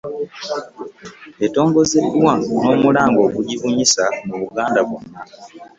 Etongozeddwa n'omulanga okugibunyisa mu Buganda bwonna.